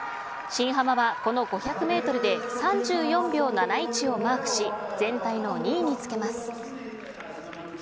新濱はこの５００メートルで３４秒７１をマークし全体の２位につけます。